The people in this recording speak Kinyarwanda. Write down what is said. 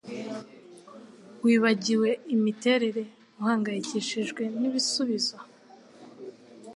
Wibagiwe imiterere; uhangayikishijwe n'ibisubizo.